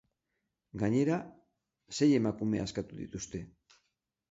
Gainera, sei emakume askatu dituzte.